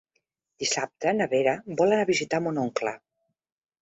Dissabte na Vera vol anar a visitar mon oncle.